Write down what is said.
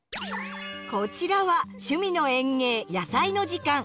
こちらは「趣味の園芸やさいの時間」。